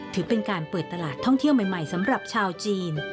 ถือเป็นการเปิดตลาดท่องเที่ยวใหม่สำหรับชาวจีน